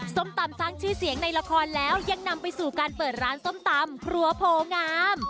ส้มตำสร้างชื่อเสียงในละครแล้วยังนำไปสู่การเปิดร้านส้มตำครัวโพงาม